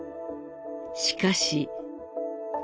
しかし。